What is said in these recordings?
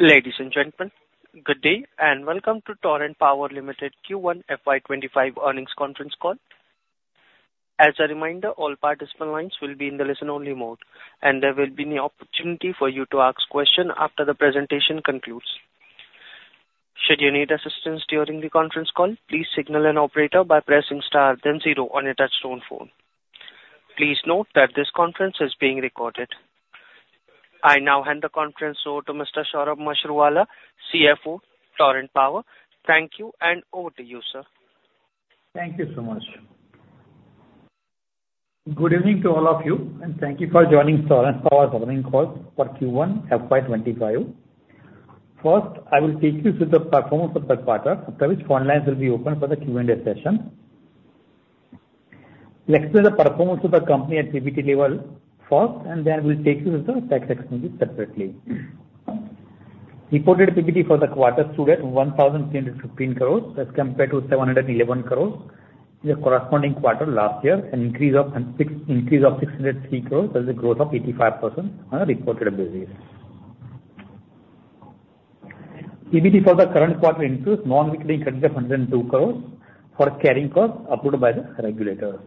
Ladies and gentlemen, good day and welcome to Torrent Power Limited Q1 FY25 earnings conference call. As a reminder, all participant lines will be in the listen-only mode, and there will be no opportunity for you to ask questions after the presentation concludes. Should you need assistance during the conference call, please signal an operator by pressing star then zero on your touchtone phone. Please note that this conference is being recorded. I now hand the conference over to Mr. Saurabh Mashruwala, CFO, Torrent Power. Thank you, and over to you, sir. Thank you so much. Good evening to all of you, and thank you for joining Torrent Power's earnings call for Q1 FY25. First, I will take you through the performance of the quarter, after which phone lines will be open for the Q&A session. We'll explore the performance of the company at PBT level first, and then we'll take you through the tax expenses separately. Reported PBT for the quarter stood at 1,315 crores as compared to 711 crores in the corresponding quarter last year, an increase of 603 crores as a growth of 85% on a reported basis. PBT for the current quarter increased non-recurring credit of 102 crores for carrying costs approved by the regulators.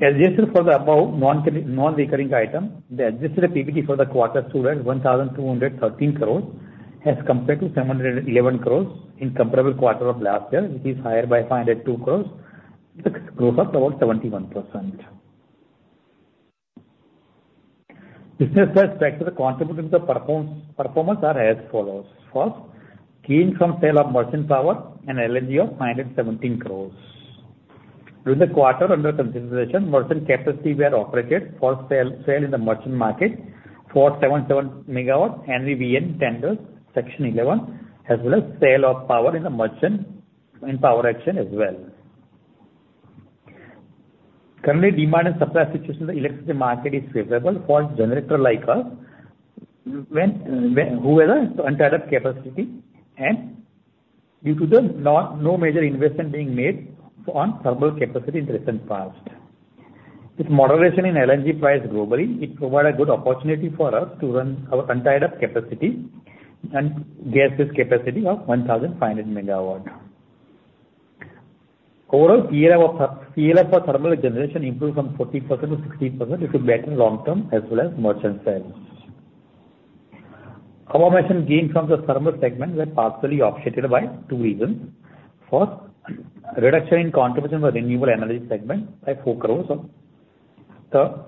Adjusted for the above non-recurring item, the adjusted PBT for the quarter stood at 1,213 crores as compared to 711 crores in comparable quarter of last year, which is higher by 502 crores, with a growth of about 71%. Business sales tracked as a contributor to the performance are as follows. First, gain from sale of merchant power and LNG of 517 crores. During the quarter, under consideration, merchant capacity were operated for sale in the merchant market for 77 MW NVVN tenders, Section 11, as well as sale of power in the merchant power auction as well. Currently, demand and supply situation in the electricity market is favorable for a generator like us who has an untapped capacity and due to the no major investment being made on thermal capacity in the recent past. With moderation in LNG price globally, it provided a good opportunity for us to run our untapped capacity and gas-based capacity of 1,500 MW. Overall, PLF for thermal generation improved from 40%-60% due to better long-term as well as merchant sales. Contribution gain from the thermal segment was partially offset by two reasons. First, reduction in contribution for renewable energy segment by 4 crore.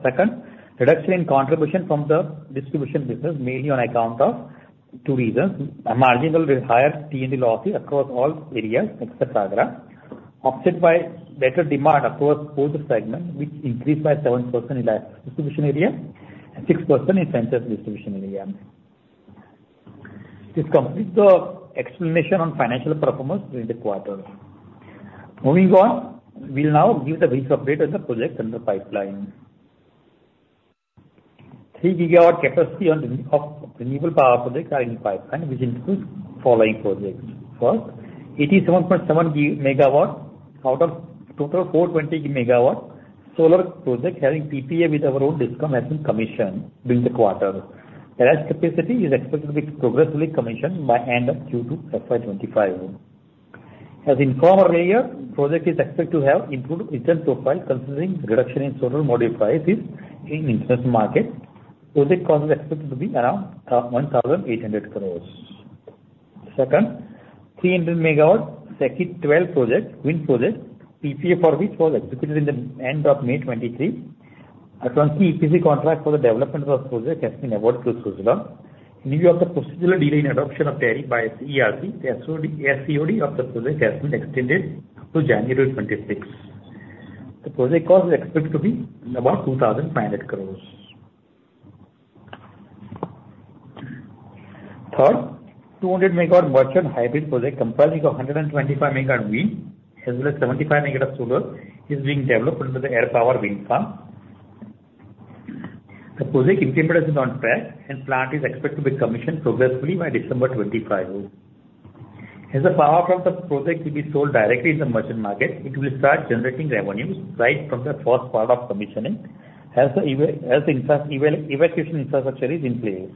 Second, reduction in contribution from the distribution business, mainly on account of two reasons: marginally higher T&D losses across all areas, etc. Offset by better demand across both segments, which increased by 7% in distribution area and 6% in central distribution area. This completes the explanation on financial performance during the quarter. Moving on, we'll now give the brief update on the projects under pipeline. 3 GW capacity of renewable power projects are in pipeline, which includes the following projects. First, 87.7 MW out of total 420 MW solar project having PPA with our own discom in commission during the quarter. The rest capacity is expected to be progressively commissioned by end of Q2 FY25. As informed earlier, the project is expected to have improved return profile considering reduction in solar modules in the insurance market. Project cost is expected to be around 1,800 crores. Second, 300 MW SECI 12 project, wind project, PPA for which was executed in the end of May 2023. A 20 EPC contract for the development of the project has been awarded to Suzlon. In view of the procedural delay in adoption of tariff by the ERC, the SCOD of the project has been extended to January 26. The project cost is expected to be about 2,500 crores. Third, 200 MW merchant hybrid project comprising 125 MW wind as well as 75 MW solar is being developed under the RE Power Wind Farm. The project implementation is on track, and the plant is expected to be commissioned progressively by December 25. As the power from the project will be sold directly in the merchant market, it will start generating revenues right from the first part of commissioning, as the evacuation infrastructure is in place.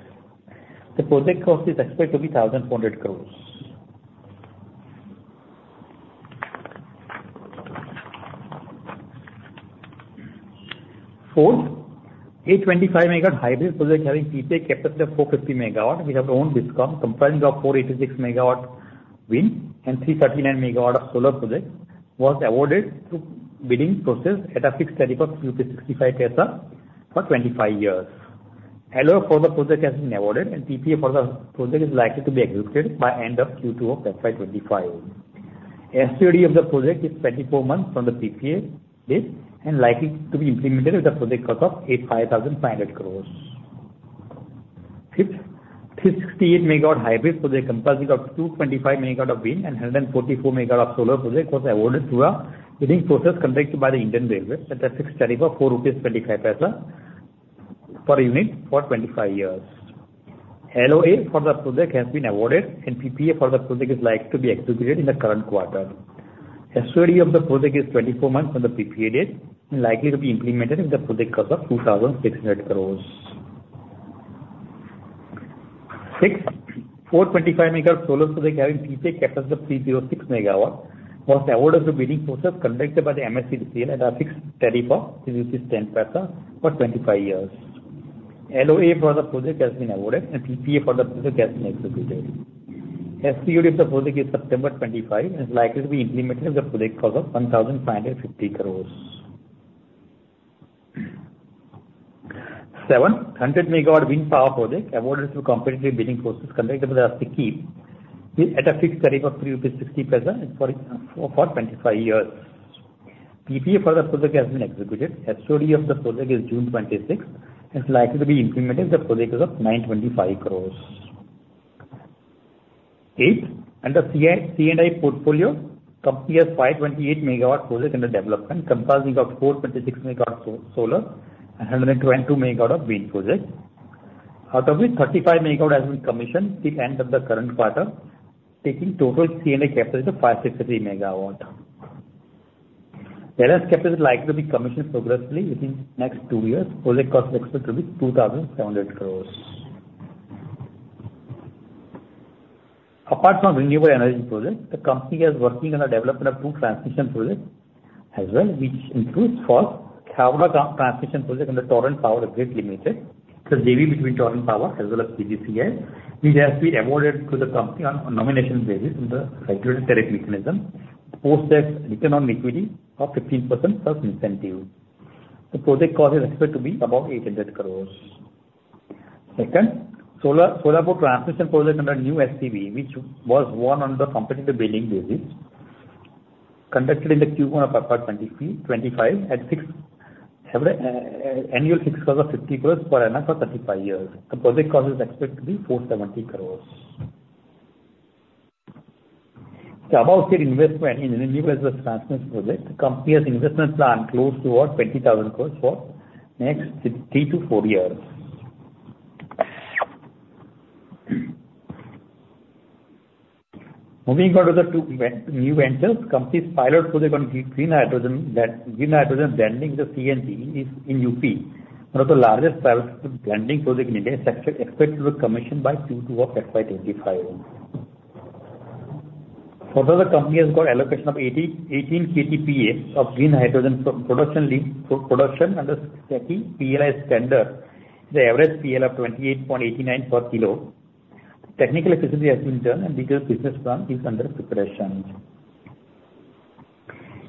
The project cost is expected to be 1,400 crores. Fourth, 825 MW hybrid project having PPA capacity of 450 MW with our own distribution comprising 486 MW wind and 339 MW of solar project was awarded through bidding process at a fixed tariff of 65 TSA for 25 years. Allotment for the project has been awarded, and PPA for the project is likely to be executed by end of Q2 of FY 2025. SCOD of the project is 24 months from the PPA date and likely to be implemented with a project cost of 5,500 crores. Fifth, 368 MW hybrid project comprising 225 MW of wind and 144 MW of solar project was awarded through a bidding process conducted by the Indian Railways at a fixed tariff of 425 rupees per unit for 25 years. Allowance for the project has been awarded, and PPA for the project is likely to be executed in the current quarter. SCOD of the project is 24 months from the PPA date and likely to be implemented with a project cost of INR 2,600 crores. Sixth, 425 MW solar project having PPA capacity of 306 MW was awarded through bidding process conducted by the MSEDCL at a fixed tariff of 310 rupees per 25 years. Allowance for the project has been awarded, and PPA for the project has been executed. SCOD of the project is September 25 and is likely to be implemented with a project cost ofINR1,550 crores. Seventh, 100 megawatt wind power project awarded through competitive bidding process conducted by the SECI at a fixed tariff of 360 rupees per for 25 years. PPA for the project has been executed. SCOD of the project is June 26 and is likely to be implemented with a project cost of INR 925 crores. Eighth, under C&I portfolio, company has 528 megawatt project under development comprising 426 MW solar and 122 MW of wind project. Out of which, 35 MW has been commissioned till the end of the current quarter, taking total C&I capacity of 563 MW. The rest capacity is likely to be commissioned progressively within the next two years. Project cost is expected to be 2,700 crores. Apart from renewable energy projects, the company is working on the development of two transmission projects as well, which includes first, Khavda Transmission Project under Torrent Power Limited. The agreement between Torrent Power as well as PGCIL, which has been awarded to the company on a nomination basis under Regulated Tariff Mechanism, post-set return on equity of 15%+ incentive. The project cost is expected to be about 800 crore. Second, Solapur Transmission Project under new SPV, which was won under competitive bidding basis, conducted in the Q1 of FY 2025 at annual fixed cost of 50 crore per annum for 35 years. The project cost is expected to be 470 crore. The above-stated investment in renewable transmission project, the company has investment planned close to about 20,000 crore for the next three to four years. Moving on to the new ventures, the company's pilot project on green hydrogen blending with CNG is in UP. One of the largest pilots for blending projects in India is expected to be commissioned by Q2 of FY25. Further, the company has got allocation of 18 KTPAs of green hydrogen production under SECI PLI scheme with an average PLI of 28.89 per kilo. Technical efficiency has been done, and the detailed business plan is under preparation.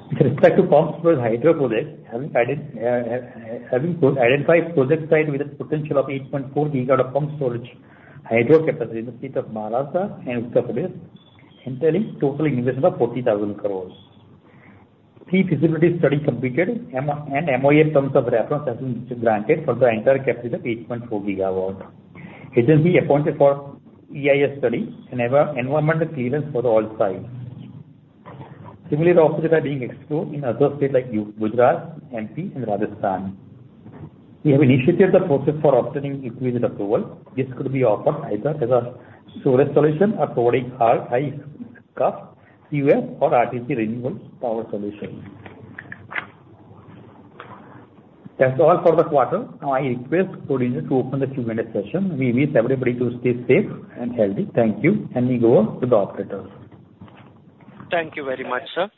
With respect to pumped storage hydro project, having identified project site with a potential of 8.4 GW of pumped storage hydro capacity in the state of Maharashtra and Uttar Pradesh, entailing total investment of 40,000 crores. Three feasibility studies completed, and MoEFCC terms of reference have been granted for the entire capacity of 8.4 GW. Agency appointed for EIA study and environmental clearance for all sites. Similar offices are being explored in other states like Gujarat, MP, and Rajasthan. We have initiated the process for obtaining ESZ approval. This could be offered either as a storage solution or providing high-cost CUF or RTC renewable power solution. That's all for the quarter. Now, I request coordinator to open the Q&A session. We wish everybody to stay safe and healthy. Thank you, and we go on to the operators. Thank you very much, sir.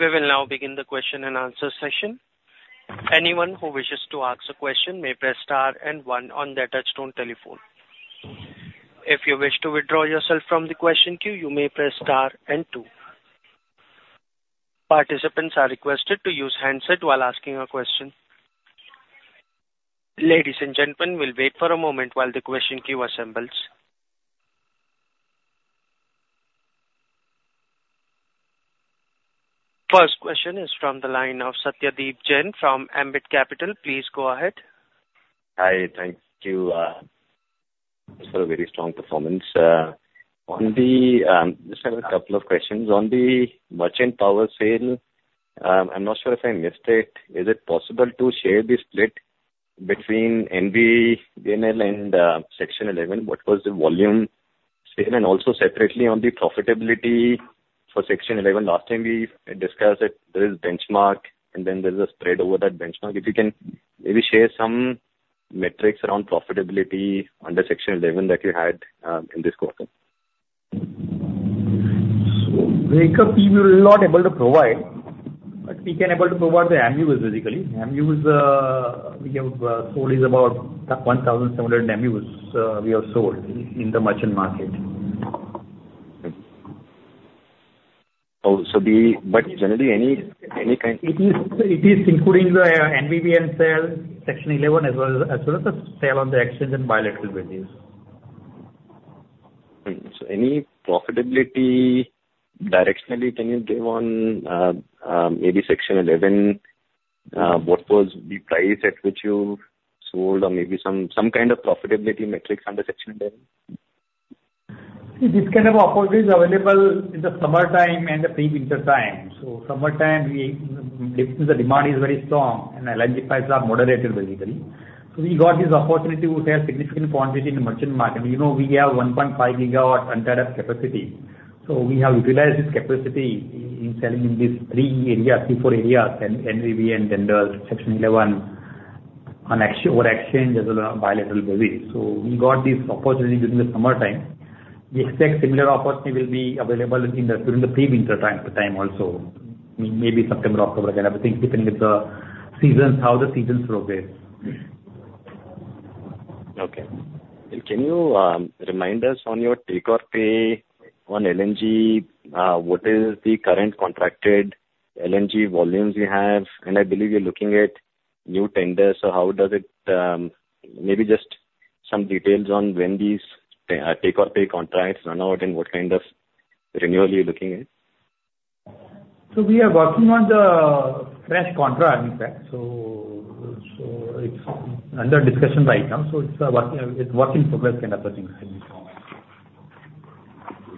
We will now begin the question and answer session. Anyone who wishes to ask a question may press star and one on their touch-tone telephone. If you wish to withdraw yourself from the question queue, you may press star and two. Participants are requested to use handset while asking a question. Ladies and gentlemen, we'll wait for a moment while the question queue assembles. First question is from the line of Satyadeep Jain from Ambit Capital. Please go ahead. Hi, thank you. It's a very strong performance. Just have a couple of questions. On the merchant power sale, I'm not sure if I missed it. Is it possible to share the split between NVVN and Section 11? What was the volume sale? And also separately on the profitability for Section 11, last time we discussed that there is a benchmark, and then there's a spread over that benchmark. If you can maybe share some metrics around profitability under Section 11 that you had in this quarter. So, breakup, we were not able to provide, but we can able to provide the MUs basically. MUs we have sold is about 1,700 MUs we have sold in the merchant market. Generally, any kind? It is including the NVVN sale, Section 11, as well as the sale on the exchange and bilateral venues. Any profitability directionally can you give on maybe Section 11? What was the price at which you sold or maybe some kind of profitability metrics under Section 11? This kind of opportunity is available in the summertime and the pre-winter time. So summertime, the demand is very strong and LNG prices are moderated basically. So we got this opportunity to sell significant quantity in the merchant market. We have 1.5 GW untapped capacity. So we have utilized this capacity in selling in these three areas, three-four areas, NVVN tenders, Section 11, or exchange as well as bilateral venues. So we got this opportunity during the summertime. We expect similar opportunity will be available during the pre-winter time also, maybe September, October kind of thing, depending on how the season progresses. Okay. Can you remind us on your take-or-pay on LNG? What is the current contracted LNG volumes you have? I believe you're looking at new tenders. How does it maybe just some details on when these take-or-pay contracts run out and what kind of renewal you're looking at? We are working on the fresh contract, in fact. It's under discussion right now. It's a work in progress kind of a thing.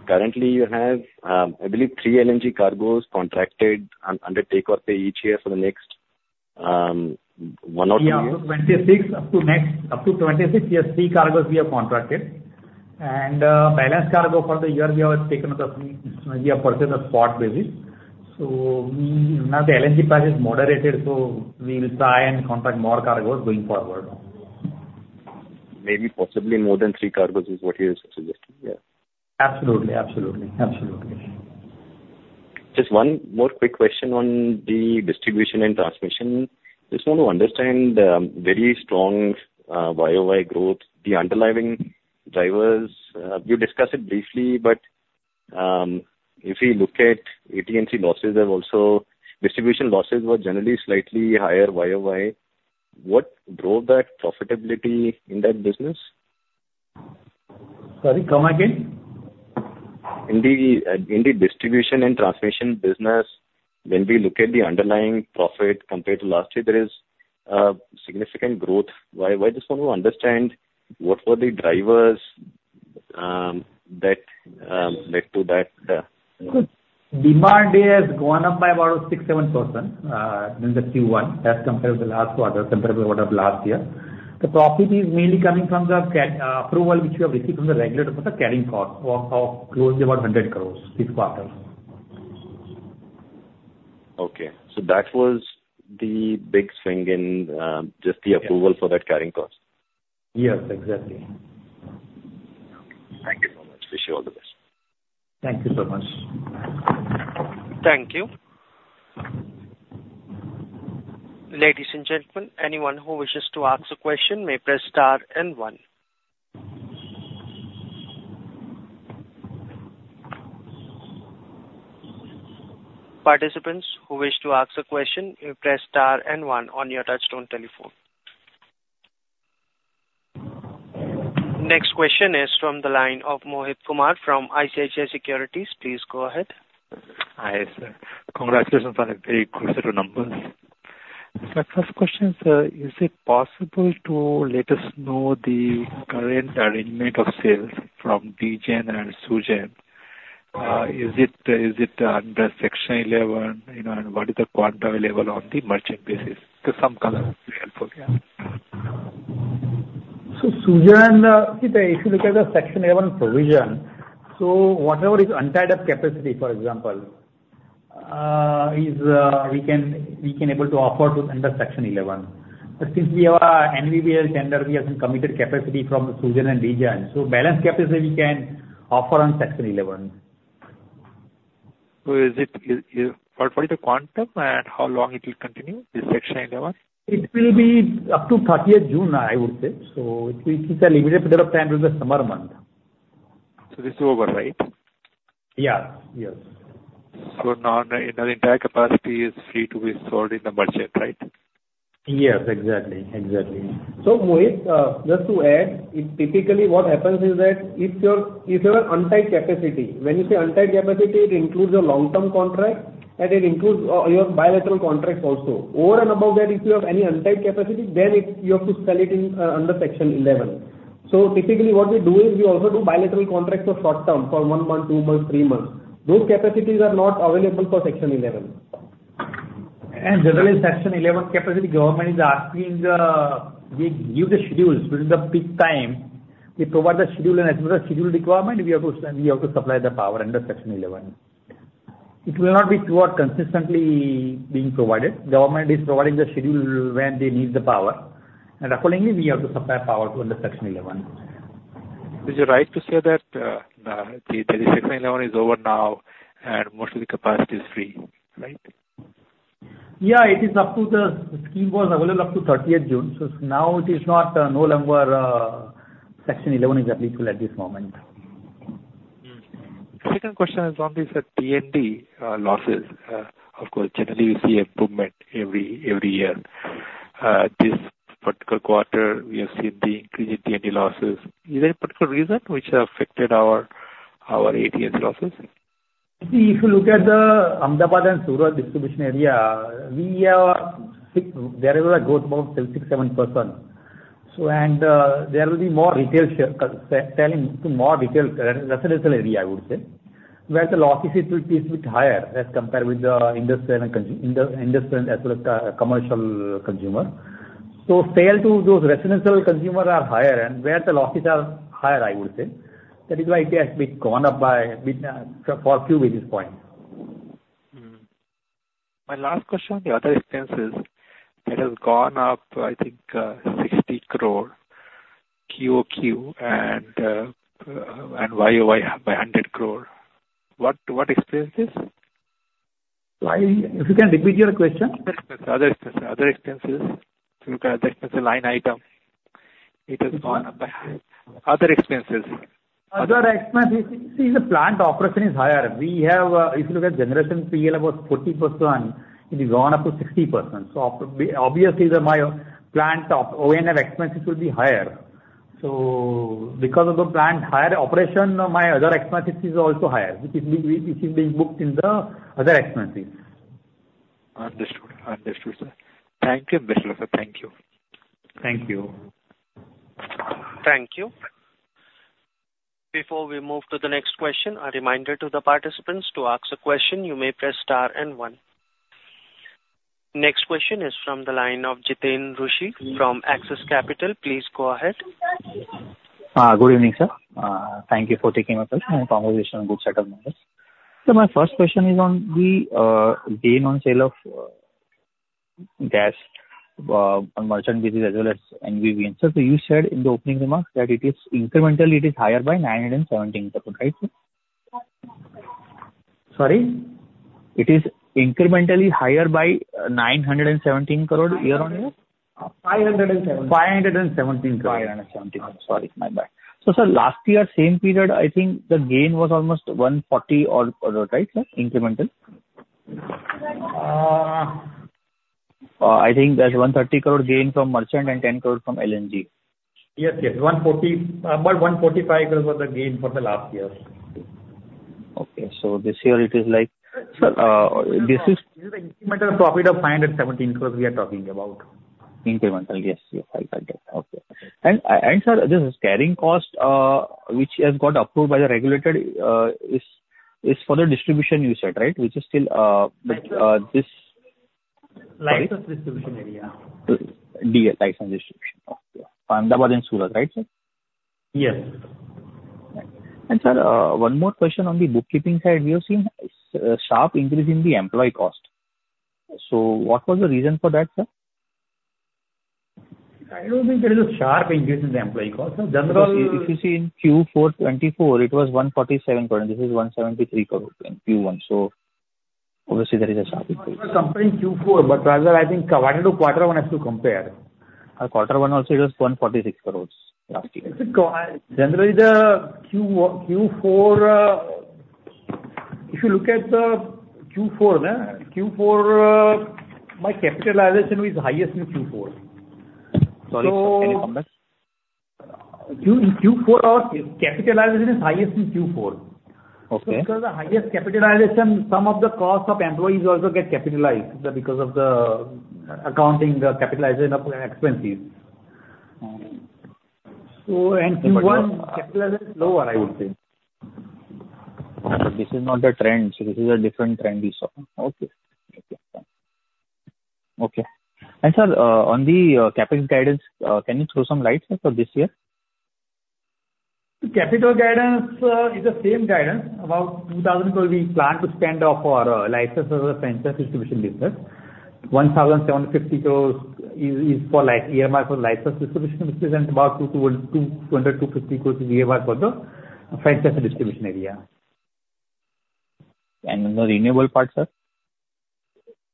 Currently, you have, I believe, 3 LNG cargos contracted under take-or-pay each year for the next 1 or 2 years? Yeah, up to 26 years, 3 cargos we have contracted. Balance cargo for the year we have taken out of, we have purchased a spot basis. Now the LNG price is moderated, so we will try and contract more cargos going forward. Maybe possibly more than three cargos is what you're suggesting, yeah. Absolutely. Absolutely. Absolutely. Just one more quick question on the distribution and transmission. Just want to understand the very strong YOY growth, the underlying drivers. You discussed it briefly, but if we look at AT&C losses and also distribution losses were generally slightly higher YOY, what drove that profitability in that business? Sorry, come again? In the distribution and transmission business, when we look at the underlying profit compared to last year, there is significant growth. Why just want to understand what were the drivers that led to that? Demand has gone up by about 6%-7% in the Q1 as compared to the last quarter, compared to what of last year. The profit is mainly coming from the approval which we have received from the regulator for the carrying cost, of close to about 100 crore this quarter. Okay. So that was the big swing in just the approval for that carrying cost? Yes, exactly. Thank you so much. Wish you all the best. Thank you so much. Thank you. Ladies and gentlemen, anyone who wishes to ask a question may press star and one. Participants who wish to ask a question may press star and one on your touch-tone telephone. Next question is from the line of Mohit Kumar from ICICI Securities. Please go ahead. Hi, sir. Congratulations on a very close set of numbers. My first question is, is it possible to let us know the current arrangement of sales from DGEN and SUGEN? Is it under Section 11, and what is the quantum available on the merchant basis? Because some quantum would be helpful, yeah. So SUGEN, if you look at the Section 11 provision, so whatever is untapped capacity, for example, we can be able to offer under Section 11. But since we have an NVVN tender, we haven't committed capacity from SUGEN and DGEN. So balance capacity we can offer on Section 11. What is the quantum and how long it will continue, the Section 11? It will be up to 30th June, I would say. It's a limited period of time during the summer month. So this is over, right? Yes. Yes. Now the entire capacity is free to be sold in the merchant, right? Yes, exactly. Exactly. So Mohit, just to add, typically what happens is that if you have an untapped capacity, when you say untapped capacity, it includes a long-term contract, and it includes your bilateral contracts also. Over and above that, if you have any untapped capacity, then you have to sell it under Section 11. So typically what we do is we also do bilateral contracts for short term, for one month, two months, three months. Those capacities are not available for Section 11. And generally, Section 11 capacity, government is asking we give the schedules during the peak time. We provide the schedule, and as per the schedule requirement, we have to supply the power under Section 11. It will not be consistently being provided. Government is providing the schedule when they need the power. And accordingly, we have to supply power under Section 11. Is it right to say that the Section 11 is over now and most of the capacity is free, right? Yeah, it is up to the scheme was available up to 30th June. So now it is not no longer Section 11 is applicable at this moment. Second question is on these T&D losses. Of course, generally you see improvement every year. This particular quarter, we have seen the increase in T&D losses. Is there a particular reason which affected our AT&C losses? See, if you look at the Ahmedabad and Surat distribution area, there is a growth of about 6%, 7%. And there will be more retail selling to more retail residential area, I would say, where the losses will be a bit higher as compared with the industry as well as commercial consumer. So sale to those residential consumers are higher, and where the losses are higher, I would say. That is why it has been gone up by a few basis points. My last question, the other expenses that have gone up, I think, 60 crore QOQ and YOY by 100 crore. What expenses? Sorry, if you can repeat your question. Other expenses. Other expenses. If you look at the expenses line item, it has gone up by other expenses. Other expenses, see, the plant operation is higher. If you look at generation PL, about 40%, it has gone up to 60%. So obviously, my plant O&M expenses will be higher. So because of the plant higher operation, my other expenses are also higher, which is being booked in the other expenses. Understood. Understood, sir. Thank you, Mr. Luther. Thank you. Thank you. Thank you. Before we move to the next question, a reminder to the participants to ask a question. You may press star and one. Next question is from the line of Jiten Rushi from Axis Capital. Please go ahead. Good evening, sir. Thank you for taking my question on Q3 numbers. So my first question is on the gain on sale of gas on merchant basis as well as NVVN. So you said in the opening remarks that it is incrementally higher by 917 crore, right? Sorry? It is incrementally higher by 917 crore year-on-year? 517. 517 crore. Sorry. My bad. So sir, last year, same period, I think the gain was almost 140 crore or right? Incremental? I think there's 130 crore gain from merchant and 10 crore from LNG. Yes, yes. About 145 crore was the gain for the last year. Okay. So this year it is like this is. This is the incremental profit of 517 crore we are talking about. Incremental. Yes, yes. I got it. Okay. And sir, this is carrying cost which has got approved by the regulator, is for the distribution you said, right? Which is still this. Licensed distribution area. DL license distribution. Okay. Ahmedabad and Surat, right, sir? Yes. Sir, one more question on the bookkeeping side. We have seen a sharp increase in the employee cost. What was the reason for that, sir? There will be a sharp increase in the employee cost. Generally, if you see in Q4 2024, it was 147 crore. This is 173 crore in Q1. So obviously, there is a sharp increase. Comparing Q4, but rather I think quarter to quarter one has to compare. Quarter one also is 146 crores last year. Generally, the Q4, if you look at the Q4, my capitalization is highest in Q4. Sorry, can you come back? In Q4, capitalization is highest in Q4. So because of the highest capitalization, some of the cost of employees also get capitalized because of the accounting, the capitalization of expenses. And Q1, capitalization is lower, I would say. This is not the trend. So this is a different trend we saw. Okay. Okay. Okay. And sir, on the capital guidance, can you throw some lights for this year? Capital guidance is the same guidance. About 2012, we planned to stand off our license as a franchise distribution business. 1,750 crores is for EMR for license distribution business and about 200-250 crores is EMR for the franchise distribution area. In the renewable part, sir?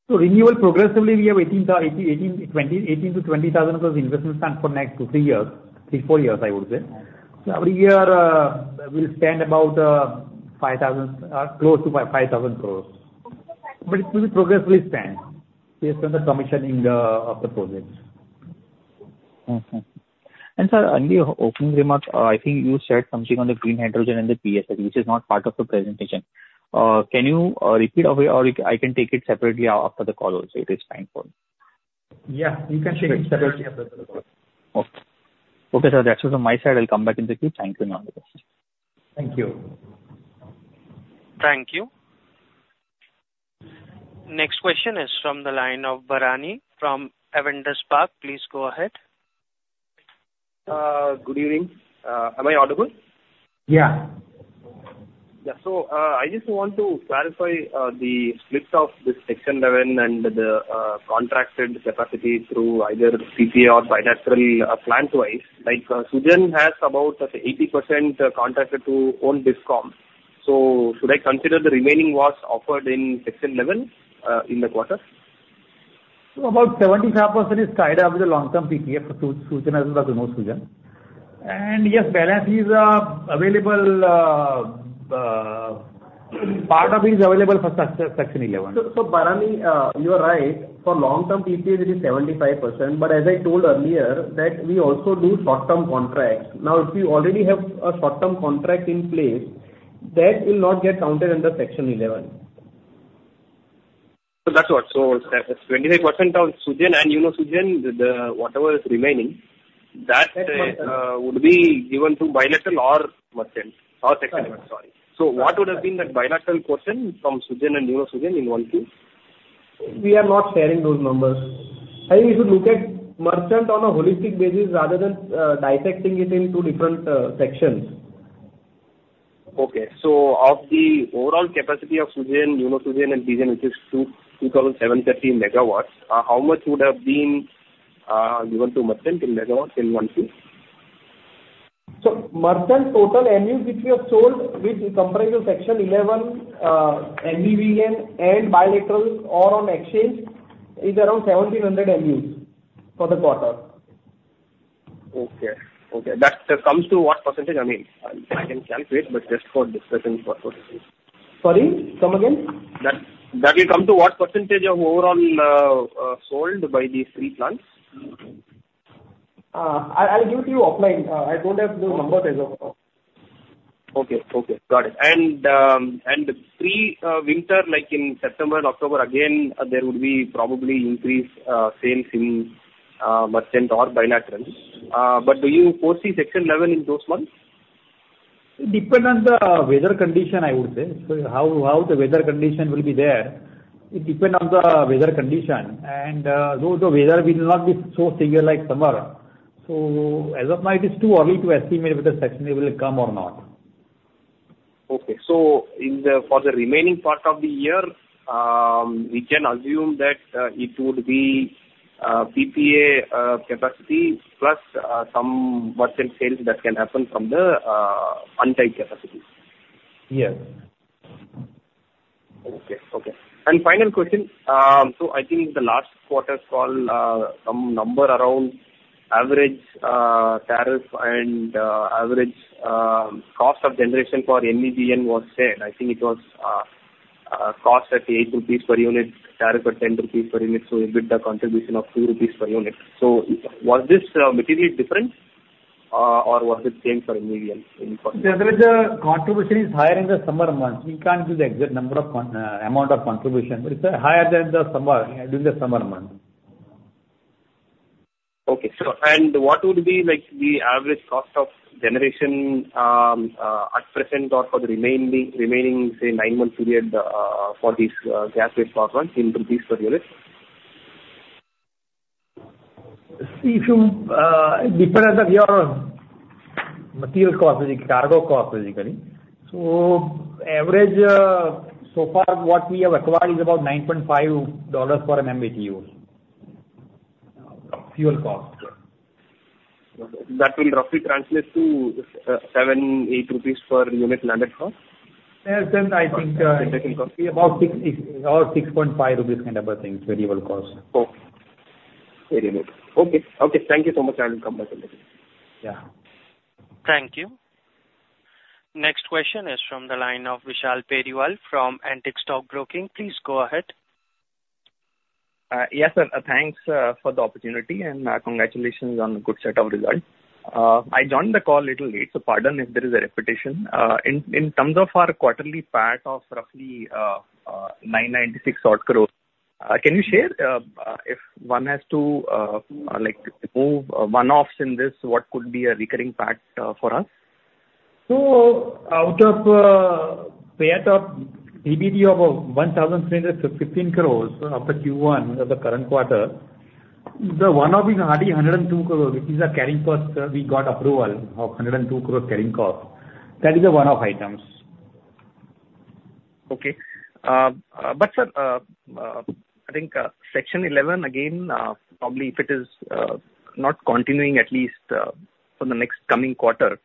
Renewable progressively, we have 18,000 crore-20,000 crore investment plan for next 2-3 years, 3-4 years, I would say. Every year will stand about close to 5,000 crore. But it will be progressively spent, based on the commissioning of the projects. Sir, only opening remark, I think you said something on the green hydrogen and the PLI, which is not part of the presentation. Can you repeat, or I can take it separately after the call also? It is fine for me. Yeah, you can take it separately after the call. Okay. Okay, sir, that's all from my side. I'll come back in the queue. Thank you in all the questions. Thank you. Thank you. Next question is from the line of Bharanidhar from Avendus Spark. Please go ahead. Good evening. Am I audible? Yeah. Yeah. So I just want to clarify the split of the Section 11 and the contracted capacity through either PPA or bilateral plant-wise. SUGEN has about 80% contracted to own discom. So should I consider the remaining was offered in Section 11 in the quarter? So about 75% is tied up with the long-term PPA for SUGEN as well as the UNOSUGEN. Yes, balance is available. Part of it is available for Section 11. So Bharanidhar, you are right. For long-term PPA, it is 75%. But as I told earlier, that we also do short-term contracts. Now, if you already have a short-term contract in place, that will not get counted under Section 11. So that's what. So 25% on SUGEN and UNOSUGEN, whatever is remaining, that would be given to bilateral or merchant or Section 11, sorry. So what would have been that bilateral portion from SUGEN and UNOSUGEN in one queue? We are not sharing those numbers. If you look at merchant on a holistic basis rather than dissecting it into different sections. Okay. So of the overall capacity of SUGEN, UNOSUGEN, and DGEN, which is 2,730 MW, how much would have been given to merchant in MW in one queue? So, merchant total MUs, which we have sold with comparison Section 11, NVVN, and bilateral or on exchange, is around 1,700 MUs for the quarter. Okay. Okay. That comes to what percentage? I mean, I can calculate, but just for discussion purposes. Sorry? Come again? That will come to what percentage of overall sold by these three plants? I'll give it to you offline. I don't have the numbers as of now. Okay. Okay. Got it. And pre-winter, like in September and October, again, there would be probably increased sales in merchant or bilateral. But do you foresee Section 11 in those months? It depends on the weather condition, I would say. So how the weather condition will be there, it depends on the weather condition. Though the weather will not be so severe like summer. As of now, it is too early to estimate whether Section 11 will come or not. Okay. So for the remaining part of the year, we can assume that it would be PPA capacity plus some merchant sales that can happen from the untapped capacity. Yes. Okay. Okay. Final question. I think the last quarter's call, some number around average tariff and average cost of generation for NVVN was said. I think it was cost at 8 rupees per unit, tariff at 10 rupees per unit. You get the contribution of 2 rupees per unit. Was this materially different or was it same for NVVN? Generally, the contribution is higher in the summer months. We can't give the exact number or amount of contribution. It's higher in the summer during the summer months. Okay. And what would be the average cost of generation at present or for the remaining, say, nine-month period for these gas-based power plants in rupees per unit? See, it depends on your material cost, cargo cost, basically. So average, so far, what we have acquired is about $9.5 for an MMBtu, fuel cost. That will roughly translate to 7-8 rupees per unit landed cost? I think about 6-6.5 rupees kind of a thing, variable cost. Okay. Very good. Okay. Okay. Thank you so much. I'll come back in the queue. Yeah. Thank you. Next question is from the line of Vishal Periwal from Antique Stock Broking. Please go ahead. Yes, sir. Thanks for the opportunity and congratulations on a good set of results. I joined the call a little late, so pardon if there is a repetition. In terms of our quarterly PAT of roughly 996 crore, can you share if one has to move one-offs in this? What could be a recurring PAT for us? Out of PAT of TBD of 1,315 crore for Q1 of the current quarter, the one-off is already 102 crore, which is a carrying cost. We got approval of 102 crore carrying cost. That is the one-off items. Okay. But sir, I think Section 11, again, probably if it is not continuing at least for the next coming quarter,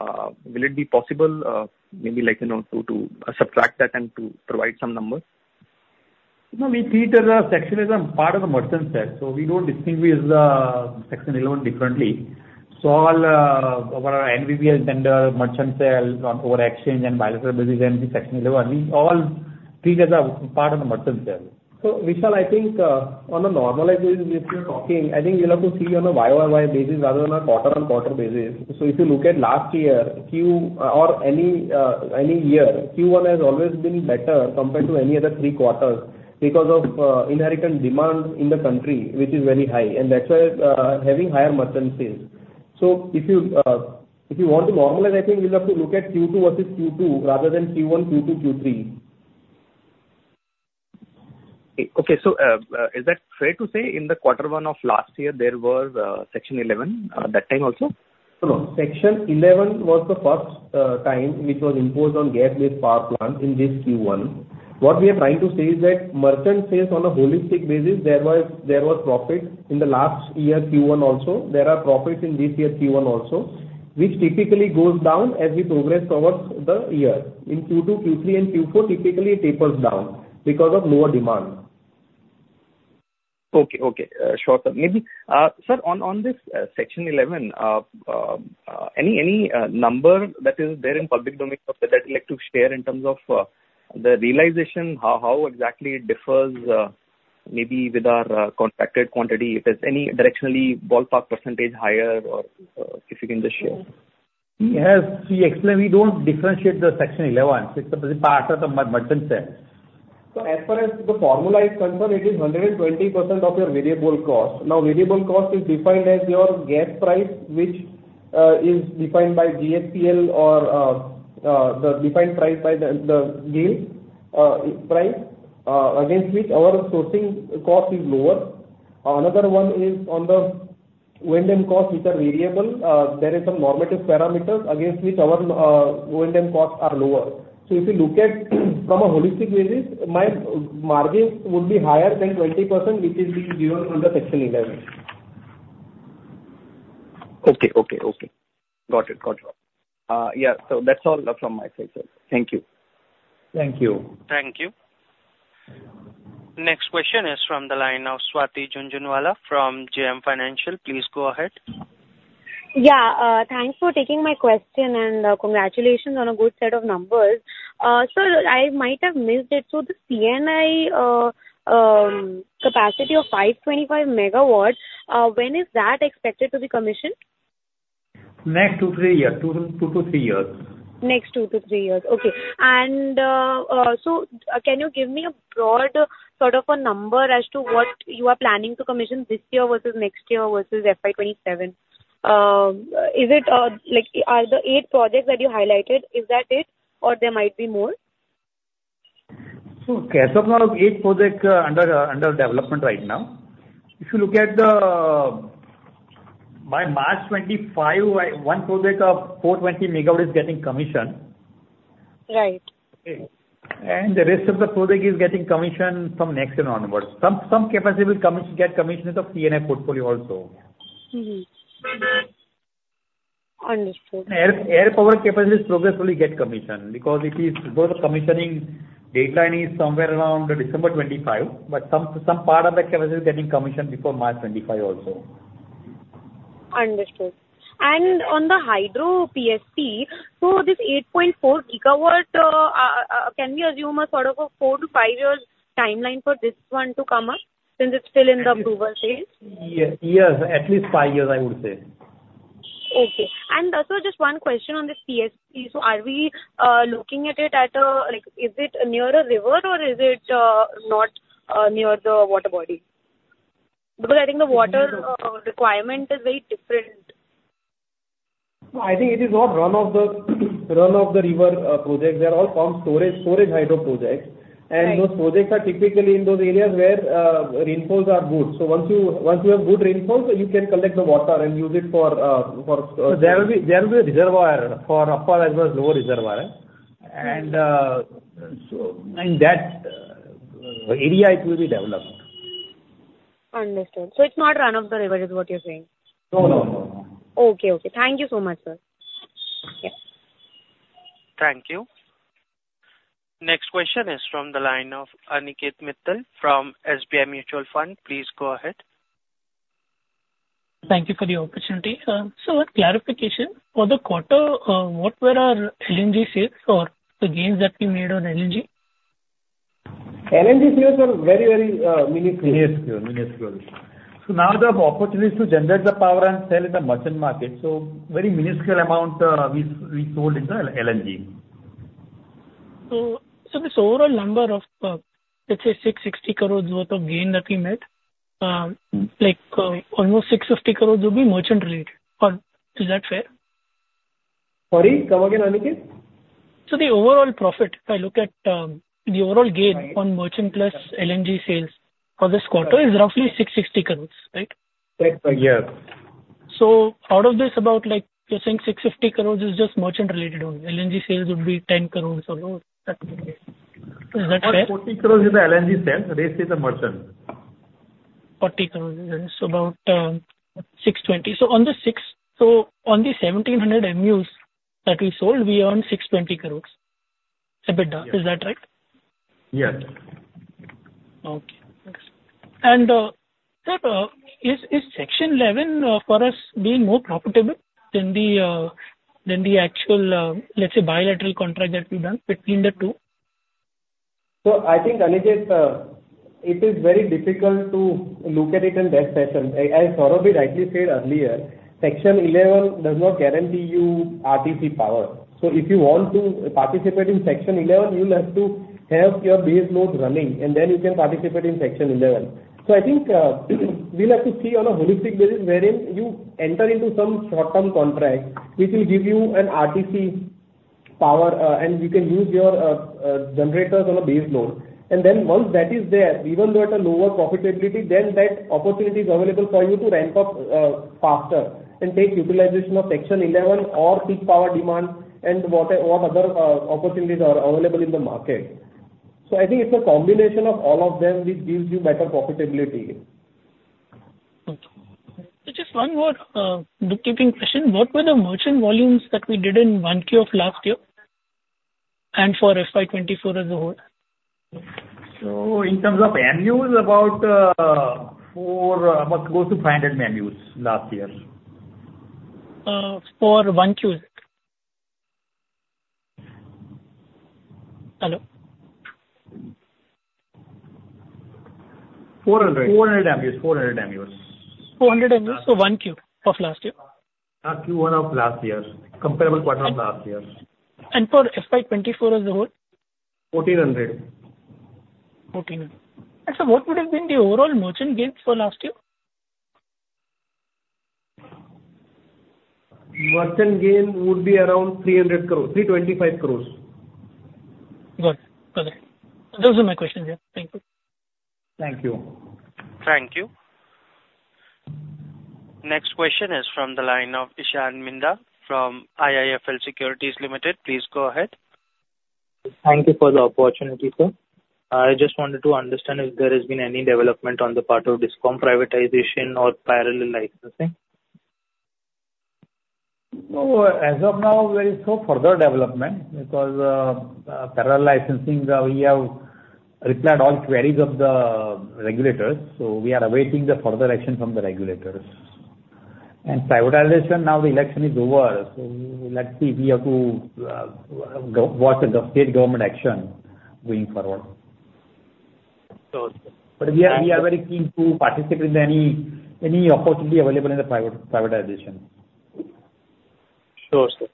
will it be possible maybe to subtract that and to provide some number? No, we treat as a Section 11 part of the merchant sale. So we don't distinguish the Section 11 differently. So all of our NVVN tender, merchant sale on over exchange and bilateral basis and Section 11, we all treat as a part of the merchant sale. So Vishal, I think on a normalization, if you're talking, I think you'll have to see on a YOY basis rather than a quarter-on-quarter basis. So if you look at last year or any year, Q1 has always been better compared to any other three quarters because of inherent demand in the country, which is very high. And that's why having higher merchant sales. So if you want to normalize, I think you'll have to look at Q2 versus Q2 rather than Q1, Q2, Q3. Okay. So is that fair to say in the quarter one of last year, there was Section 11 that time also? No, Section 11 was the first time which was imposed on gas-based power plant in this Q1. What we are trying to say is that merchant sales on a holistic basis, there was profit in the last year Q1 also. There are profits in this year Q1 also, which typically goes down as we progress towards the year. In Q2, Q3, and Q4, typically it tapers down because of lower demand. Okay. Okay. Sure, sir. Maybe, sir, on this Section 11, any number that is there in public domain of the electric share in terms of the realization, how exactly it differs maybe with our contracted quantity? If there's any directionally ballpark percentage higher or if you can just share. Yes. We explain we don't differentiate the Section 11. It's the PAT of the merchant sale. So as far as the formula is concerned, it is 120% of your variable cost. Now, variable cost is defined as your gas price, which is defined by GSPL or the defined price by the GAIL price, against which our sourcing cost is lower. Another one is on the O&M cost, which are variable. There is some normative parameters against which our O&M costs are lower. So if you look at from a holistic basis, my margins would be higher than 20%, which is being given under Section 11. Okay. Okay. Okay. Got it. Got it. Yeah. So that's all from my side, sir. Thank you. Thank you. Thank you. Next question is from the line of Swati Jhunjhunwala from JM Financial. Please go ahead. Yeah. Thanks for taking my question and congratulations on a good set of numbers. Sir, I might have missed it. So the C&I capacity of 525 MW, when is that expected to be commissioned? Next 2-3 years. 2-3 years. Next 2-3 years. Okay. So can you give me a broad sort of a number as to what you are planning to commission this year versus next year versus FY27? Are the 8 projects that you highlighted, is that it, or there might be more? Okay. So for 8 projects under development right now, if you look at by March 2025, 1 project of 420 MW is getting commissioned. Right. The rest of the project is getting commissioned from next year onwards. Some capacity will get commissioned into C&I portfolio also. Understood. RE power capacity is progressively getting commissioned because its commissioning deadline is somewhere around December 25, but some part of the capacity is getting commissioned before March 25 also. Understood. On the hydro PSP, so this 8.4 GW, can we assume a sort of a 4-5 years timeline for this one to come up since it's still in the approval phase? Yes. At least five years, I would say. Okay. Just one question on this PSP. Are we looking at it at a is it near a river or is it not near the water body? Because I think the water requirement is very different. I think it is all run-of-the-river projects. They're all pumped storage hydro projects. And those projects are typically in those areas where rainfall is good. So once you have good rainfall, you can collect the water and use it for. There will be a reservoir for upper as well as lower reservoir. In that area, it will be developed. Understood. So it's not run of the river is what you're saying? No, no, no, no. Okay. Okay. Thank you so much, sir. Yeah. Thank you. Next question is from the line of Aniket Mittal from SBI Mutual Fund. Please go ahead. Thank you for the opportunity. So one clarification. For the quarter, what were our LNG sales or the gains that we made on LNG? LNG sales were very, very minuscule. Minuscule. Minuscule. Now the opportunities to generate the power and sell in the merchant market. Very minuscule amount we sold in the LNG. This overall number of, let's say, 660 crore worth of gain that we met, almost 650 crore will be merchant-related. Is that fair? Sorry? Come again, Aniket? So the overall profit, if I look at the overall gain on merchant-plus LNG sales for this quarter is roughly 660 crore, right? Yes. So out of this, about you're saying 650 crore is just merchant-related only. LNG sales would be 10 crore or more. Is that fair? About 40 crore is the LNG sales. The rest is the merchant. 40 crore is about 620. So on the 1,700 MUs that we sold, we earned 620 crore a bit. Is that right? Yes. Okay. Thanks. And sir, is Section 11 for us being more profitable than the actual, let's say, bilateral contract that we've done between the two? I think, Aniket, it is very difficult to look at it in that fashion. As Saurabh rightly said earlier, Section 11 does not guarantee you RTC power. If you want to participate in Section 11, you'll have to have your base load running, and then you can participate in Section 11. I think we'll have to see on a holistic basis wherein you enter into some short-term contract, which will give you an RTC power, and you can use your generators on a base load. Then once that is there, even though at a lower profitability, then that opportunity is available for you to ramp up faster and take utilization of Section 11 or peak power demand and what other opportunities are available in the market. I think it's a combination of all of them which gives you better profitability. Okay. So just one more note-taking question. What were the merchant volumes that we did in Q1 of last year and for FY24 as a whole? In terms of MUs, about 400-500 MUs last year. For Q1? Hello? 400. 400 MUs. 400 MUs. 400 MUs for Q1 of last year? Q1 of last year. Comparable quarter of last year. For FY24 as a whole? 1400. What would have been the overall merchant gain for last year? Merchant gain would be around 325 crores. Got it. Got it. Those are my questions, yeah. Thank you. Thank you. Thank you. Next question is from the line of Ishan Minda from IIFL Securities Limited. Please go ahead. Thank you for the opportunity, sir. I just wanted to understand if there has been any development on the part of discom privatization or parallel licensing? So, as of now, there is no further development because parallel licensing. We have replied to all queries of the regulators. So, we are awaiting the further action from the regulators. And privatization, now the election is over. So, let's see if we have to watch the state government action going forward. But we are very keen to participate in any opportunity available in the privatization. Sure, sir.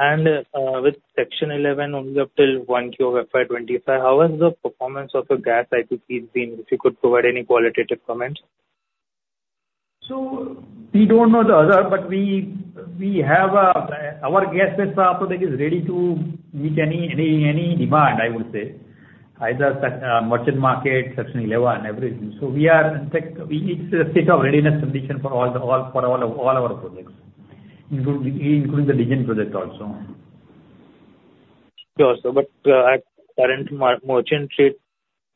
With Section 11 only up till Q1 of FY25, how has the performance of your gas IPPs been? If you could provide any qualitative comments? So we don't know the other, but we have our gas-based power project is ready to meet any demand, I would say, either merchant market, Section 11, everything. So we are in fact, it's a state of readiness condition for all of our projects, including the DGEN project also. Sure, sir. But at current merchant trade,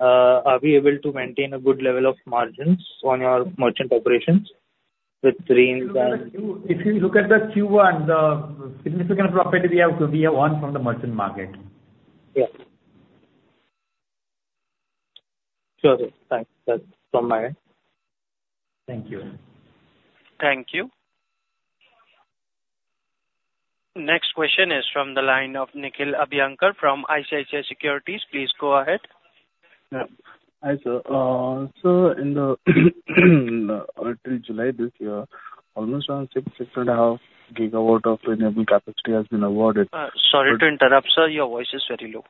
are we able to maintain a good level of margins on our merchant operations with DGEN and? If you look at the Q1, the significant profit we have won from the merchant market. Yeah. Sure. Thanks. That's from my end. Thank you. Thank you. Next question is from the line of Nikhil Abhyankar from ICICI Securities. Please go ahead. Hi, sir. So up till July this year, almost 6.5 GW of renewable capacity has been awarded. Sorry to interrupt, sir. Your voice is very low.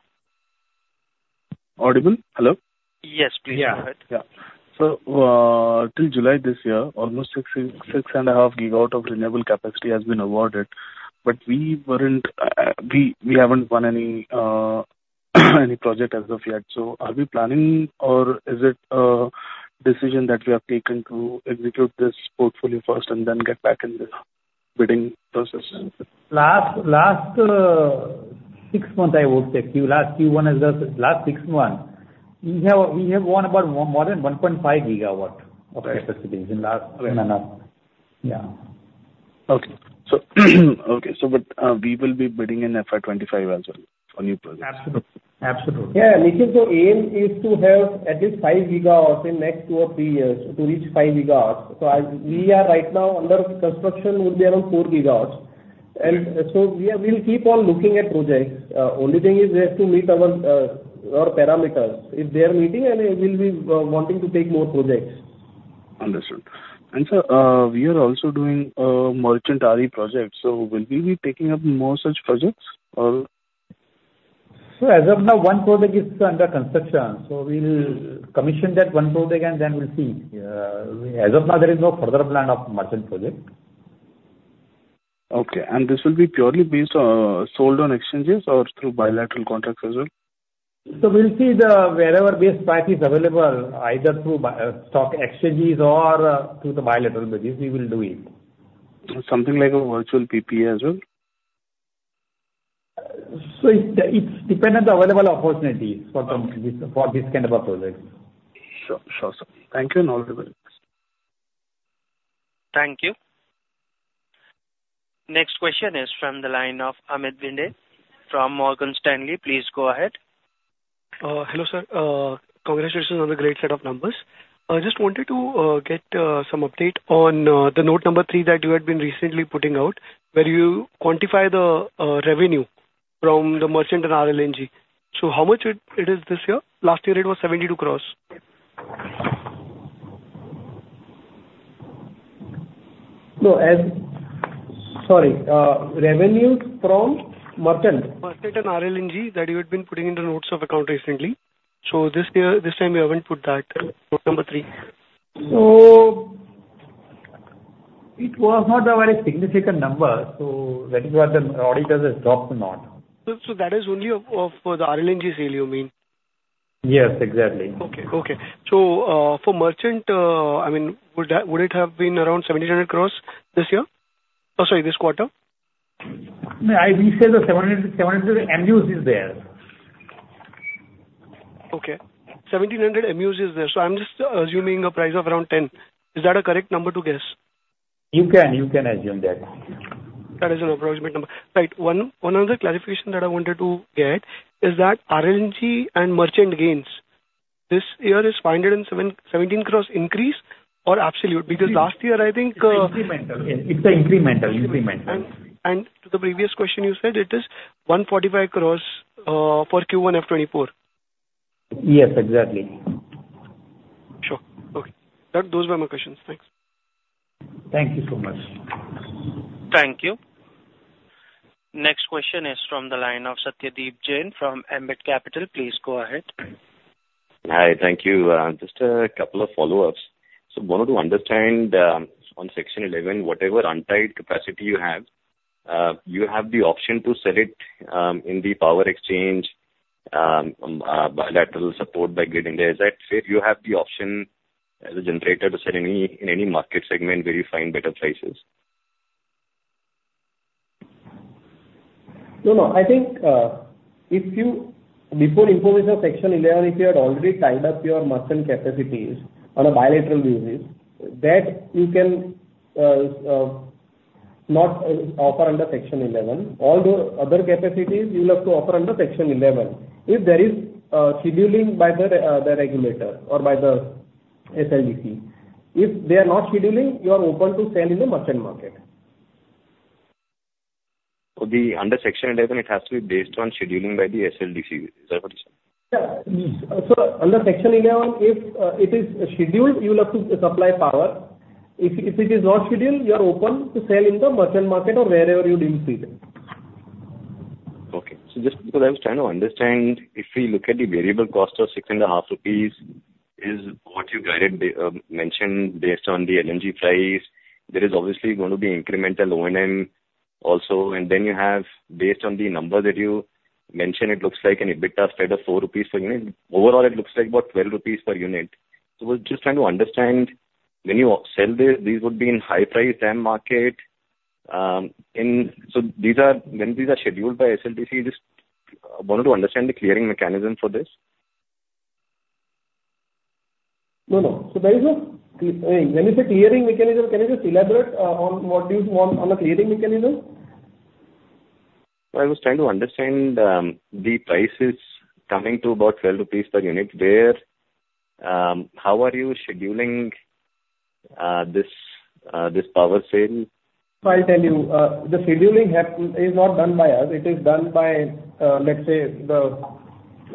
Audible? Hello? Yes, please go ahead. Yeah. Yeah. So till July this year, almost 6.5 GW of renewable capacity has been awarded, but we haven't won any project as of yet. So are we planning, or is it a decision that we have taken to execute this portfolio first and then get back in the bidding process? Last six months, I would say, last Q1 as well as last six months, we have won about more than 1.5 GW of capacity in the last year. We will be bidding in FY25 as well for new projects. Absolutely. Absolutely. Yeah. Nikhil, so aim is to have at least 5 GW in next two or three years to reach 5 GW. So we are right now under construction, would be around 4 GW. And so we will keep on looking at projects. Only thing is we have to meet our parameters. If they are meeting, then we will be wanting to take more projects. Understood. And sir, we are also doing merchant RE projects. So will we be taking up more such projects or? As of now, one project is under construction. We'll commission that one project and then we'll see. As of now, there is no further plan of merchant project. Okay. And this will be purely based on sold-on exchanges or through bilateral contracts as well? We'll see wherever base price is available, either through stock exchanges or through the bilateral bidding, we will do it. Something like a virtual PPA as well? It depends on the available opportunities for this kind of a project. Sure. Sure. Thank you and all the best. Thank you. Next question is from the line of Amit Bhinde from Morgan Stanley. Please go ahead. Hello, sir. Congratulations on the great set of numbers. I just wanted to get some update on the note number 3 that you had been recently putting out where you quantify the revenue from the merchant and RLNG. So how much it is this year? Last year, it was 72 crore. Sorry. Revenue from merchant? Merchant and RLNG that you had been putting in the notes of account recently. This time, you haven't put that, note number three. It was not a very significant number. When you have the auditors dropped or not. That is only for the RLNG sale, you mean? Yes, exactly. Okay. Okay. So for merchant, I mean, would it have been around 1,700 crore this year? Or sorry, this quarter? We said the 700 MUs is there. Okay. 1700 MUs is there. So I'm just assuming a price of around 10. Is that a correct number to guess? You can assume that. That is an approximate number. Right. One other clarification that I wanted to get is that RLNG and merchant gains, this year is 517 crore increase or absolute? Because last year, I think. Incremental. It's incremental. Incremental. To the previous question, you said it is 145 crores for Q1 F24? Yes, exactly. Sure. Okay. Those were my questions. Thanks. Thank you so much. Thank you. Next question is from the line of Satyadeep Jain from Ambit Capital. Please go ahead. Hi. Thank you. Just a couple of follow-ups. I wanted to understand on Section 11, whatever untied capacity you have, you have the option to sell it in the power exchange, bilateral support by getting there. Is that fair? You have the option as a generator to sell in any market segment where you find better prices? No, no. I think if you before invoking Section 11, if you had already tied up your merchant capacities on a bilateral basis, that you cannot offer under Section 11. All the other capacities, you will have to offer under Section 11. If there is scheduling by the regulator or by the SLDC, if they are not scheduling, you are open to sell in the merchant market. So under Section 11, it has to be based on scheduling by the SLDC. Is that what you said? Yeah. So under Section 11, if it is scheduled, you will have to supply power. If it is not scheduled, you are open to sell in the merchant market or wherever you deem fit. Okay. So just because I was trying to understand, if we look at the variable cost of 6.5 rupees, is what you mentioned based on the LNG price, there is obviously going to be incremental O&M also. And then you have based on the number that you mentioned, it looks like an EBITDA spread of 4 rupees per unit. Overall, it looks like about 12 rupees per unit. So we're just trying to understand when you sell this, these would be in high-priced DAM market. So when these are scheduled by SLDC, I just wanted to understand the clearing mechanism for this. No, no. So there is no clearing. When you say clearing mechanism, can you just elaborate on what you want on the clearing mechanism? I was trying to understand the prices coming to about 12 rupees per unit there. How are you scheduling this power sale? So I'll tell you. The scheduling is not done by us. It is done by, let's say,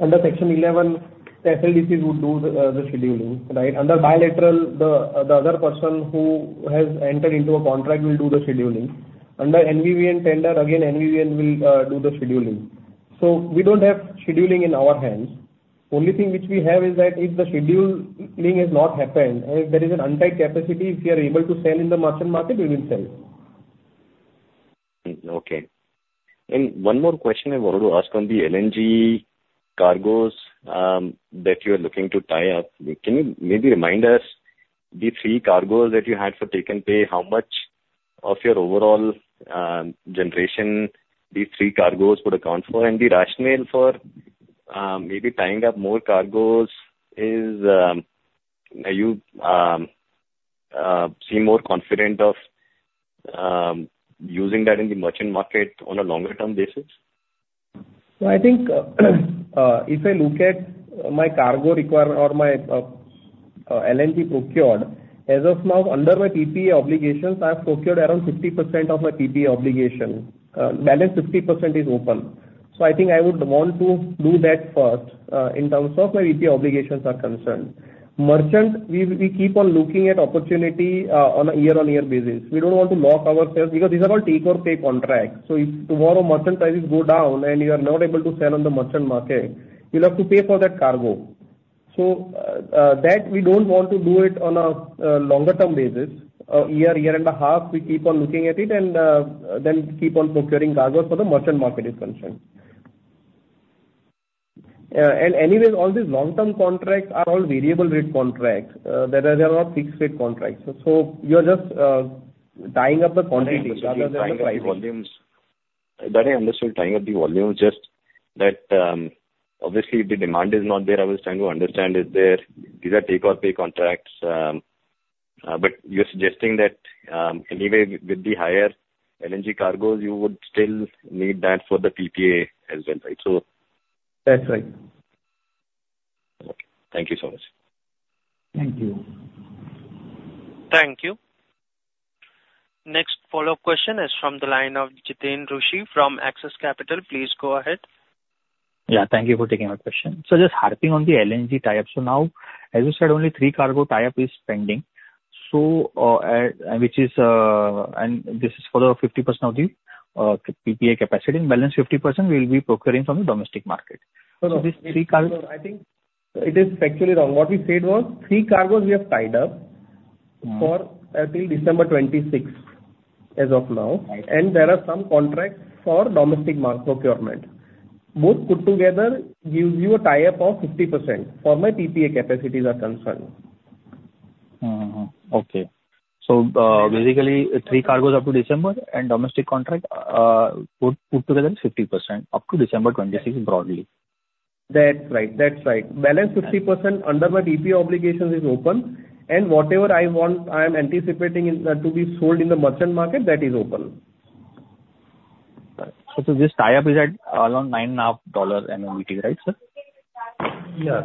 under Section 11, the SLDC would do the scheduling, right? Under bilateral, the other person who has entered into a contract will do the scheduling. Under NVVN tender, again, NVVN will do the scheduling. So we don't have scheduling in our hands. Only thing which we have is that if the scheduling has not happened, and if there is an untied capacity, if you are able to sell in the merchant market, we will sell. Okay. One more question I wanted to ask on the LNG cargoes that you are looking to tie up. Can you maybe remind us the three cargoes that you had for take and pay? How much of your overall generation these three cargoes would account for? The rationale for maybe tying up more cargoes, are you seeing more confident of using that in the merchant market on a longer-term basis? So I think if I look at my cargo requirement or my LNG procured, as of now, under my PPA obligations, I have procured around 50% of my PPA obligation. Balance 50% is open. So I think I would want to do that first in terms of my PPA obligations are concerned. Merchant, we keep on looking at opportunity on a year-on-year basis. We don't want to lock ourselves because these are all take-or-pay contracts. So if tomorrow merchant prices go down and you are not able to sell on the merchant market, you'll have to pay for that cargo. So that we don't want to do it on a longer-term basis. A year, year and a half, we keep on looking at it and then keep on procuring cargoes for the merchant market is concerned. And anyways, all these long-term contracts are all variable-rate contracts. They are not fixed-rate contracts. So you are just tying up the quantity rather than the prices. That, I understood, tying up the volume. Just that obviously the demand is not there. I was trying to understand if these are take-or-pay contracts. But you're suggesting that anyway, with the higher LNG cargoes, you would still need that for the PPA as well, right? So. That's right. Okay. Thank you so much. Thank you. Thank you. Next follow-up question is from the line of Jitin Rushi from Axis Capital. Please go ahead. Yeah. Thank you for taking my question. So just harping on the LNG tie-up. So now, as you said, only three cargo tie-up is pending, which is, and this is for the 50% of the PPA capacity. And balance 50% we will be procuring from the domestic market. So these three cargo. I think it is actually wrong. What we said was three cargoes we have tied up until December 26 as of now. There are some contracts for domestic market procurement. Both put together gives you a tie-up of 50% for my PPA capacities are concerned. Okay. Basically, three cargoes up to December and domestic contract put together is 50% up to December 2026 broadly. That's right. That's right. Balance 50% under my PPA obligations is open. And whatever I want, I am anticipating to be sold in the merchant market, that is open. This tie-up is at around $9.5 MMBtu, right, sir? Yes.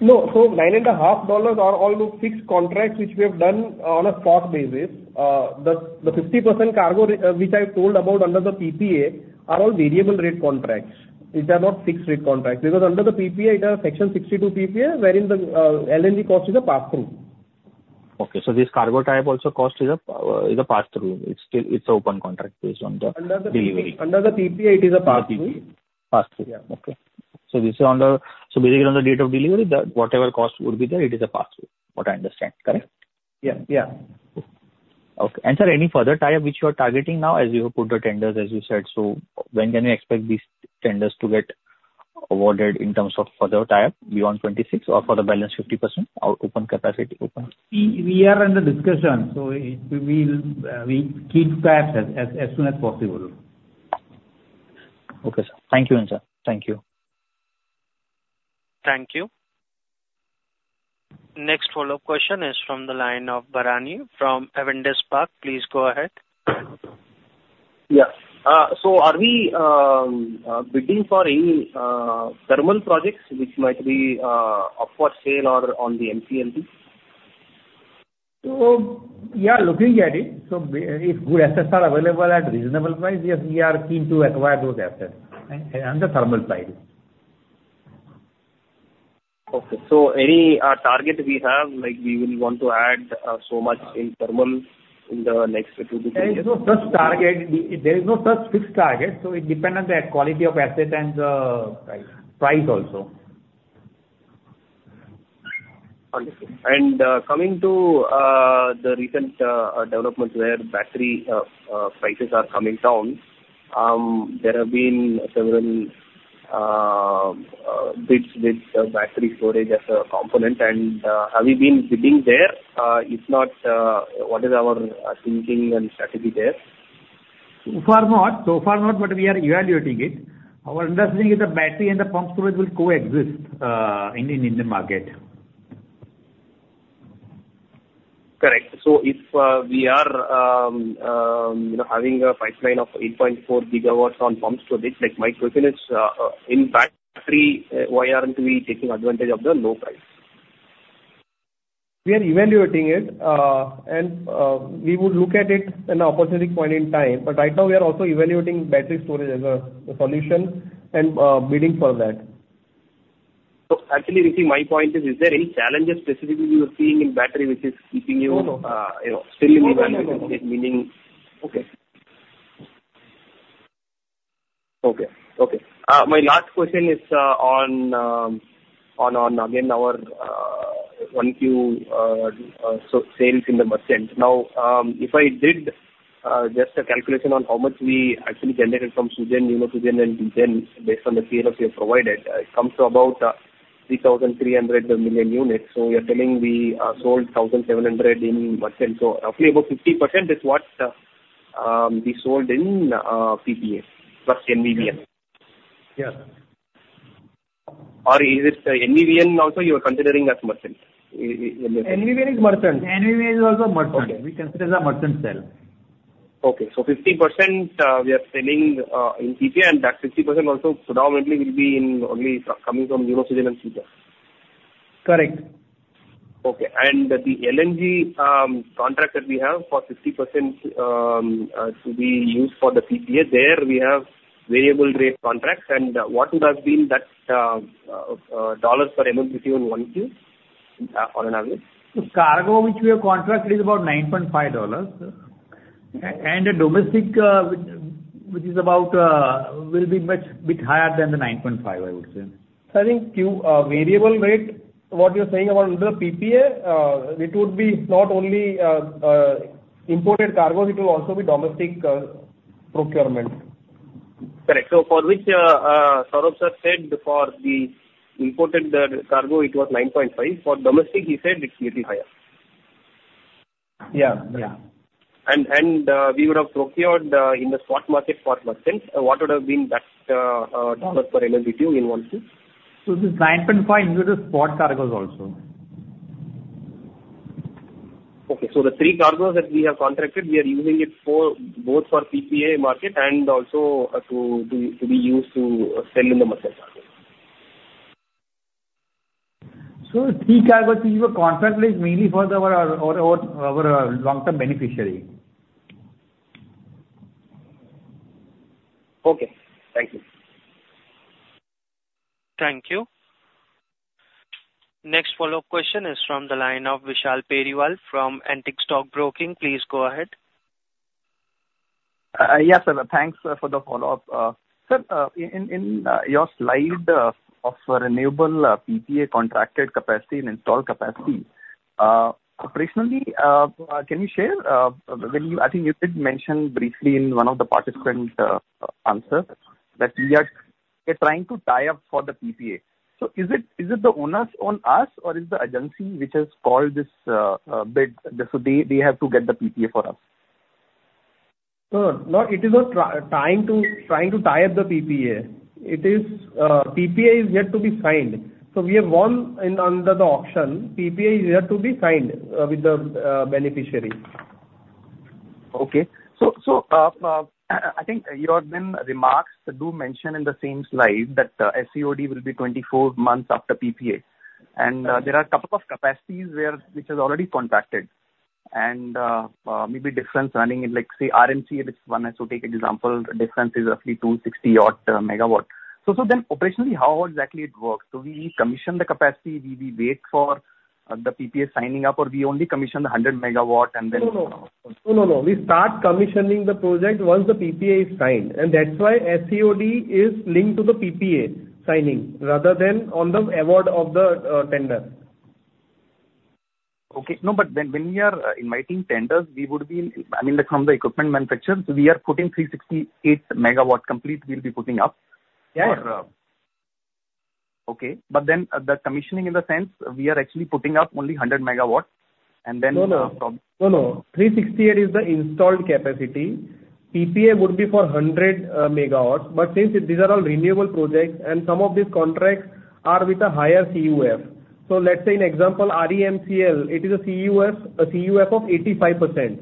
No. So $9.5 are all those fixed contracts which we have done on a spot basis. The 50% cargo which I told about under the PPA are all variable-rate contracts. These are not fixed-rate contracts. Because under the PPA, it has Section 62 PPA, wherein the LNG cost is a pass-through. Okay. So this cargo tie-up also cost is a pass-through. It's an open contract based on the delivery. Under the PPA, it is a pass-through. Pass-through. Okay. So this is basically on the date of delivery, whatever cost would be there, it is a pass-through, what I understand. Correct? Yeah. Yeah. Okay. Sir, any further tie-up which you are targeting now as you have put the tenders, as you said? So when can you expect these tenders to get awarded in terms of further tie-up beyond 26 or for the balance 50% or open capacity? We are under discussion. So we will keep track as soon as possible. Okay, sir. Thank you, sir. Thank you. Thank you. Next follow-up question is from the line of Bharanidhar from Avendus Spark. Please go ahead. Yeah. So are we bidding for any thermal projects which might be up for sale or on the NCLT? So yeah, looking at it, so if good assets are available at reasonable price, yes, we are keen to acquire those assets on the thermal side. Okay. So any target we have, we will want to add so much in thermal in the next 2-3 years? There is no such target. There is no such fixed target. So it depends on the quality of asset and the price also. Understood. And coming to the recent developments where battery prices are coming down, there have been several bids with battery storage as a component. And have we been bidding there? If not, what is our thinking and strategy there? So far not. So far not, but we are evaluating it. Our understanding is the battery and the pumped storage will coexist in the market. Correct. So if we are having a pipeline of 8.4 GW on pumped storage, my question is, in battery, why aren't we taking advantage of the low price? We are evaluating it, and we would look at it in an opportunity point in time. But right now, we are also evaluating battery storage as a solution and bidding for that. So actually, Rishi, my point is, is there any challenges specifically you are seeing in battery which is keeping you still in evaluation? No, no. Meaning. Okay. Okay. Okay. My last question is on, again, our Q1 sales in the merchant. Now, if I did just a calculation on how much we actually generated from SUGEN and DGEN based on the sales you provided, it comes to about 3,300 million units. So you're telling we sold 1,700 in merchant. So roughly about 50% is what we sold in PPA plus NVVN. Yes. Or is it NVVN also you are considering as merchant? NVVN is merchant. NVVN is also merchant. We consider the merchant sale. Okay. So 50% we are selling in PPA, and that 50% also predominantly will be in only coming from SUGEN and SUGEN. Correct. Okay. The LNG contract that we have for 50% to be used for the PPA, there we have variable-rate contracts. What would have been that $ per MMBtu in Q1 on an average? The cargo which we have contracted is about $9.5. The domestic, which is about, will be much bit higher than the $9.5, I would say. So I think variable rate, what you're saying about the PPA, it would be not only imported cargo, it will also be domestic procurement. Correct. So for which Saurabh sir said for the imported cargo, it was $9.5. For domestic, he said it's a little higher. Yeah. Yeah. We would have procured in the spot market for merchant. What would have been that $ per MMBtu in Q1? This 9.5 includes the spot cargos also. Okay. So the 3 cargos that we have contracted, we are using it both for PPA market and also to be used to sell in the merchant market. So the three cargos which we have contracted is mainly for our long-term beneficiary. Okay. Thank you. Thank you. Next follow-up question is from the line of Vishal Periwal from Antique Stock Broking. Please go ahead. Yes, sir. Thanks for the follow-up. Sir, in your slide of renewable PPA contracted capacity and installed capacity, operationally, can you share? I think you did mention briefly in one of the participant answers that we are trying to tie up for the PPA. So is it the onus on us, or is the agency which has called this bid? So they have to get the PPA for us. No, it is trying to tie up the PPA. PPA is yet to be signed. So we have one under the option. PPA is yet to be signed with the beneficiary. Okay. So I think your remarks do mention in the same slide that the SCOD will be 24 months after PPA. There are a couple of capacities which are already contracted. Maybe difference running in, say, RTC, if it's one, I'll take an example. Difference is roughly 260 MW. So then operationally, how exactly it works? Do we commission the capacity? Do we wait for the PPA signing up, or do we only commission the 100 MW and then? No, no, no. We start commissioning the project once the PPA is signed. That's why SCOD is linked to the PPA signing rather than on the award of the tender. Okay. No, but when we are inviting tenders, we would be—I mean, from the equipment manufacturers, we are putting 368 MW complete. We'll be putting up. Yes. Okay. But then the commissioning, in the sense, we are actually putting up only 100 MW. And then. No, no, no. 368 is the installed capacity. PPA would be for 100 MW. But since these are all renewable projects and some of these contracts are with a higher CUF. So let's say, in example, REMCL, it is a CUF of 85%.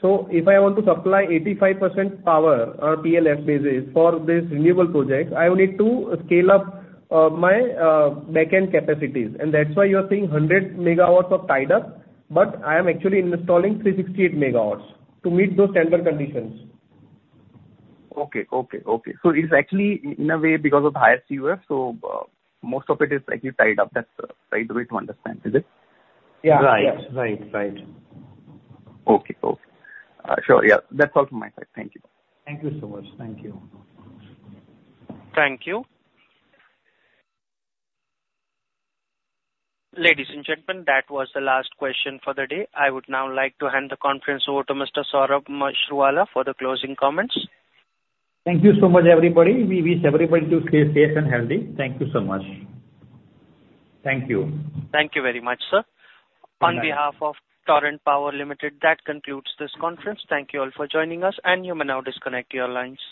So if I want to supply 85% power or PLF basis for this renewable project, I will need to scale up my back-end capacities. And that's why you are seeing 100 MW of tied-up, but I am actually installing 368 MW to meet those standard conditions. Okay. Okay. Okay. So it's actually, in a way, because of higher CUF, so most of it is actually tied up. That's the way to understand, is it? Yeah. Right. Right. Right. Okay. Okay. Sure. Yeah. That's all from my side. Thank you. Thank you so much. Thank you. Thank you. Ladies and gentlemen, that was the last question for the day. I would now like to hand the conference over to Mr. Saurabh Mashruwala for the closing comments. Thank you so much, everybody. We wish everybody to stay safe and healthy. Thank you so much. Thank you. Thank you very much, sir. On behalf of Torrent Power Limited, that concludes this conference. Thank you all for joining us, and you may now disconnect your lines.